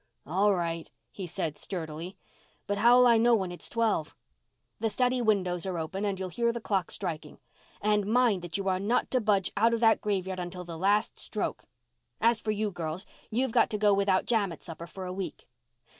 "All right," he said sturdily. "But how'll I know when it is twelve?" "The study windows are open and you'll hear the clock striking. And mind you that you are not to budge out of that graveyard until the last stroke. As for you girls, you've got to go without jam at supper for a week."